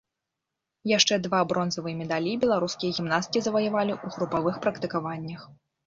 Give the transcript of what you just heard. Яшчэ два бронзавыя медалі беларускія гімнасткі заваявалі ў групавых практыкаваннях.